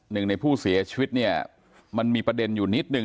หนึ่งในผู้เสียชีวิตเนี่ยมันมีประเด็นอยู่นิดนึง